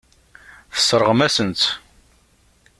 Tesseṛɣem-asen-tt.